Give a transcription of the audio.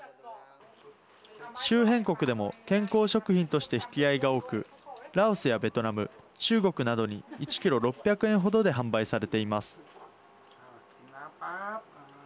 周辺国でも健康食品として引き合いが多くラオスやベトナム、中国などに１キロ６００円程で販売されています。